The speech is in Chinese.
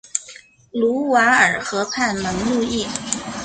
卢瓦尔河畔蒙路易。